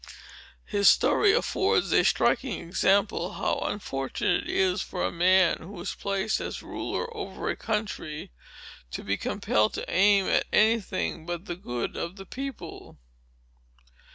His story affords a striking example, how unfortunate it is for a man, who is placed as ruler over a country, to be compelled to aim at any thing but the good of the people.